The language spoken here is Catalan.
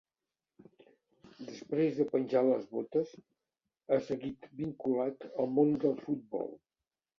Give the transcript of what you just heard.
Després de penjar les botes, ha seguit vinculat al món del futbol.